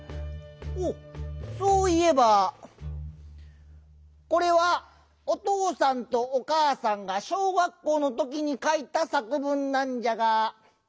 おっそういえばこれはおとうさんとおかあさんが小学校のときにかいたさく文なんじゃが。